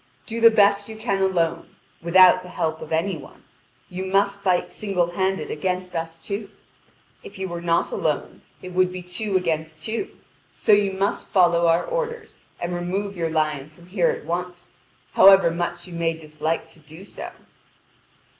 Do the best you can alone, without the help of any one. You must fight single handed against us two. If you were not alone, it would be two against two; so you must follow our orders, and remove your lion from here at once, however much you may dislike to do so."